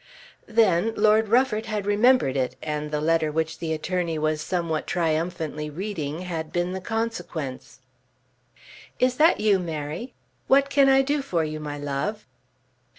Then Lord Rufford had remembered it, and the letter which the attorney was somewhat triumphantly reading had been the consequence. "Is that you, Mary? What can I do for you, my love?"